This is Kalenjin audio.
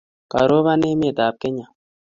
Karoban emet ab Kenya